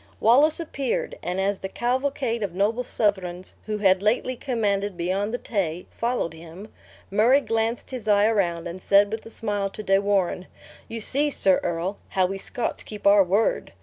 Wallace appeared; and as the cavalcade of noble Southrons who had lately commanded beyond the Tay, followed him, Murray glanced his eye around, and said with a smile to De Warenne, "You see, sir earl, how we Scots keep our word!"